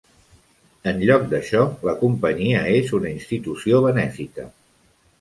En lloc d'això, la companyia és una institució benèfica.